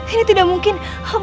ini tidak mungkin